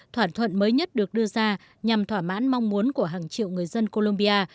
thỏa thuận mới nhất được đưa ra nhằm thỏa mãn mong muốn của hàng triệu người dân colombia